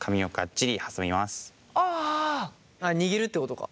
あっ握るってことか？